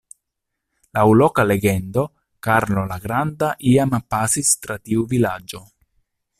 Laŭ loka legendo, Karlo la Granda iam pasis tra tiu vilaĝo.